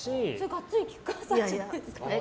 ガッツリ菊川さんじゃないですか？